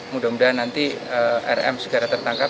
mudah mudahan nanti rm segera tertangkap